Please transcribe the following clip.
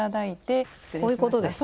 こういうことですね。